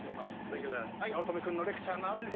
八乙女君のレクチャーがあって。